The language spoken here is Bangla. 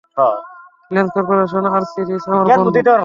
ল্যান্স কর্পোরাল আর্চি রিড আমার বন্ধু!